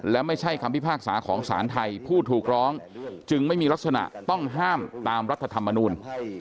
และไม่ใช่คำพิพากษาของศาลไทยผู้ถูกร้องจึงไม่มีลักษณะต้องห้ามตามรัฐธรรมนูล